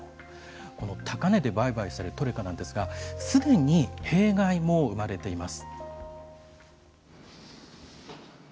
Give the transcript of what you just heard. この高値で売買されるトレカなんですがすでに弊害も生まれています。